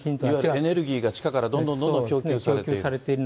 エネルギーが地下からどんどんどんどん供給されている。